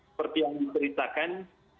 seperti yang diperitakan